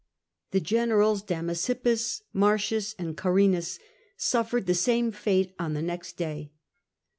The generals Dama sippus, Marcius, and Carrinas suffered the same fate on the next day.